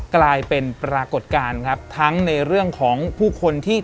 คนปกติทั่วไป